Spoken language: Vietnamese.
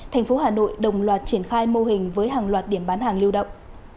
thành phố hà nội đồng loạt triển khai mô hình với hàng loạt điểm bán hàng lưu động